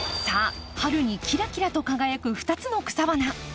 さあ春にキラキラと輝く２つの草花。